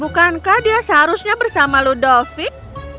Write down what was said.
bukankah dia seharusnya bersama ludovic